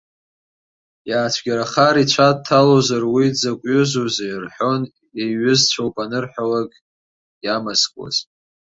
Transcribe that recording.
Иаацәгьарахар ицәа дҭалозар, уи дзакә ҩызоузеи, рҳәон, еиҩызцәоуп анырҳәалак, иамазкуаз.